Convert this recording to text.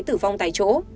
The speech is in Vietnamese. tử vong tại chỗ